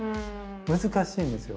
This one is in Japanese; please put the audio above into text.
難しいんですよ。